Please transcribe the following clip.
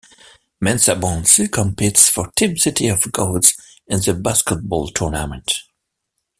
Mensah-Bonsu competes for Team City of Gods in The Basketball Tournament.